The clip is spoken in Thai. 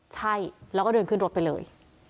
ใช่แล้วก็เดินขึ้นรถไปเลย